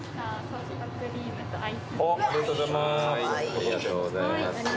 ありがとうございます。